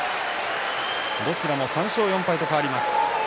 どちらも３勝４敗と変わります。